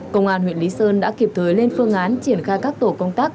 công an huyện lý sơn đã kịp thời lên phương án triển khai các tổ công tác